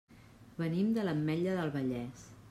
Venim de l'Ametlla del Vallès.